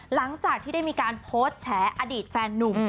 หลังจากที่ได้มีการโพสต์แฉอดีตแฟนนุ่ม